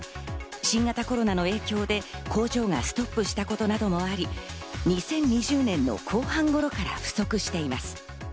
新型コロナの影響で工場がストップしたことなどもあり、２０２０年の後半頃から不足しています。